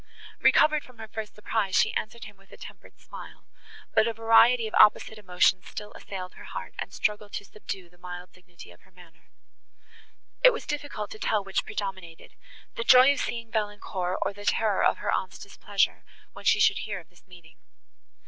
Recovered from her first surprise, she answered him with a tempered smile; but a variety of opposite emotions still assailed her heart, and struggled to subdue the mild dignity of her manner. It was difficult to tell which predominated—the joy of seeing Valancourt, or the terror of her aunt's displeasure, when she should hear of this meeting.